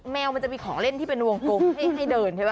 แมวมันจะมีของเล่นที่เป็นวงกลมให้เดินใช่ไหม